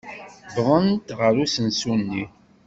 Wwḍent ɣer usensu-nni.